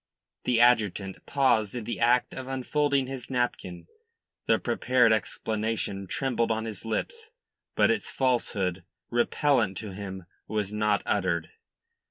The adjutant paused in the act of unfolding his napkin. The prepared explanation trembled on his lips; but its falsehood, repellent to him, was not uttered.